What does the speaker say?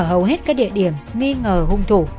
hầu hết các địa điểm nghi ngờ hung thủ